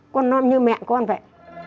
con non như mẹ con vậy